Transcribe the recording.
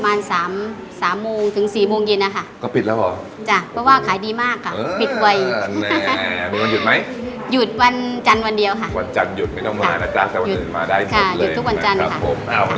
วันนี้ต้องขอบคุณพี่มากเลยครับ